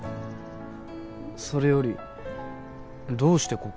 それよりどうしてここ？